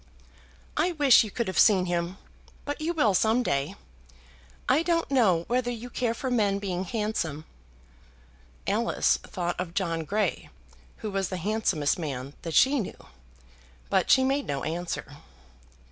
"I wish you could have seen him; but you will some day. I don't know whether you care for men being handsome." Alice thought of John Grey, who was the handsomest man that she knew, but she made no answer.